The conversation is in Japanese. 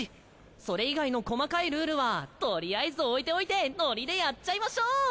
それ以外の細かいルールはとりあえず置いておいてノリでやっちゃいましょう！